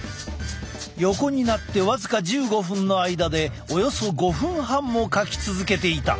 横になって僅か１５分の間でおよそ５分半もかき続けていた。